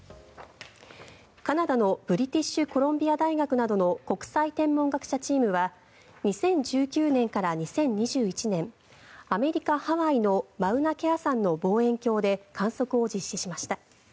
カナダのブリティッシュ・コロンビア大学などの国際天文学者チームは２０１９年から２０２１年アメリカ・ハワイのマウナケア山の望遠鏡で観測を実施しました。